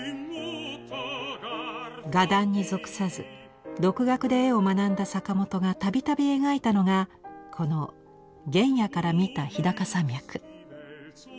画壇に属さず独学で絵を学んだ坂本が度々描いたのがこの「原野から見た日高山脈」。